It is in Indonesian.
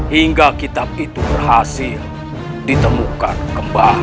hingga kitab itu berhasil ditemukan kembali